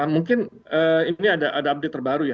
mungkin ini ada update terbaru ya